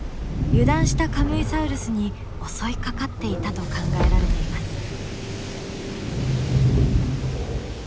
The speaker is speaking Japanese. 油断したカムイサウルスに襲いかかっていたと考えられています。